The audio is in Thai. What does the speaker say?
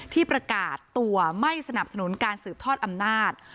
ที่ประกาศตัวไม่สนับสนุนการสืบทอดอำนาจ